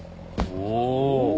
おお！